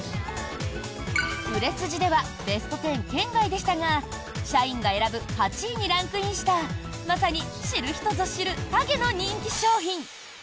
売れ筋ではベスト１０圏外でしたが社員が選ぶ８位にランクインしたまさに知る人ぞ知る陰の人気商品！